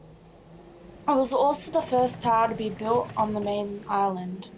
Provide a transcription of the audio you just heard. It was also the first tower to be built on the main island.